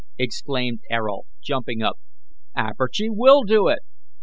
exclaimed Ayrault, jumping up. "Apergy will do it.